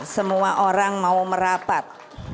semua orang mau merapat